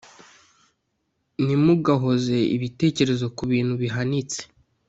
Ntimugahoze ibitekerezo ku bintu bihanitse